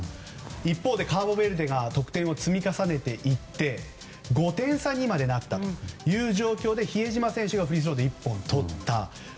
一方でカーボベルデが得点を積み重ねていって５点差にまでなった状況で比江島選手がフリースローで１本とった。